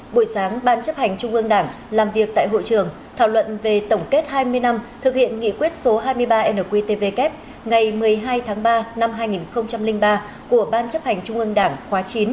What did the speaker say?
buổi sáng ban chấp hành trung ương đảng làm việc tại hội trường thảo luận về tổng kết hai mươi năm thực hiện nghị quyết số hai mươi ba nqtvk ngày một mươi hai tháng ba năm hai nghìn ba của ban chấp hành trung ương đảng khóa chín